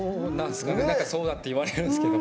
なんかそうだって言われるんですけど。